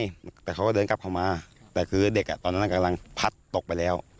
แต่เขาก็เดินกลับเข้ามาแต่คือเด็กอ่ะตอนนั้นกำลังพัดตกไปแล้ว